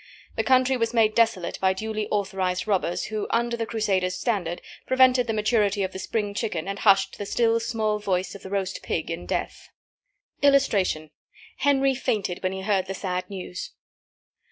The country was made desolate by duly authorized robbers, who, under the Crusaders' standard, prevented the maturity of the spring chicken and hushed the still, small voice of the roast pig in death. [Illustration: HENRY FAINTED WHEN HE HEARD THE SAD NEWS.